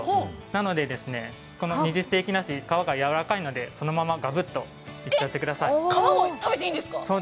なので、二十世紀梨皮がやわらかいのでそのままガブッといっちゃってください。